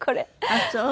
あっそう。